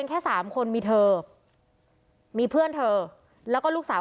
คุณพ่อคุณว่าไง